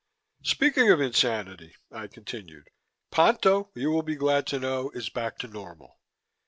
"Speaking of insanity," I continued, "Ponto, you will be glad to know, is back to normal."